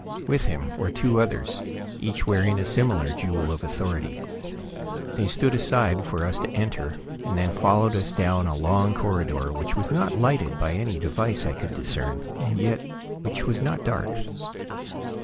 With him were two others, each wearing a similar jewel of authority. They stood aside for us to enter, and then followed us down a long corridor which was not lighted by any device I could discern, and yet which was not dark.